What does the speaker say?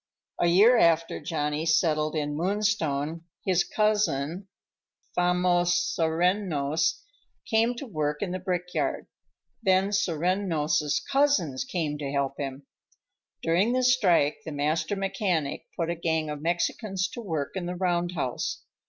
A year after Johnny settled in Moonstone, his cousin, Famos Serreños, came to work in the brickyard; then Serreños' cousins came to help him. During the strike, the master mechanic put a gang of Mexicans to work in the roundhouse.